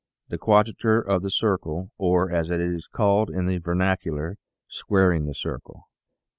The Quadrature of the Circle or, as it is called in the vernacular, " Squaring the Circle."